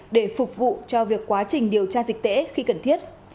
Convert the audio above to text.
để phục vụ cho việc quá trình điều tra dịch tễ khi cần thiết